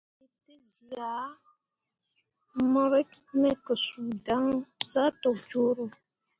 Mo ĩĩ tezyah mo rǝk me ke suu dan zah tok cuuro.